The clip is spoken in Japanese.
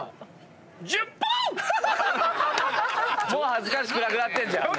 恥ずかしくなくなってんじゃん。